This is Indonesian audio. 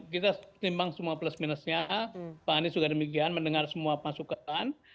kita timbang semua plus minusnya pak anies juga demikian mendengar semua masukan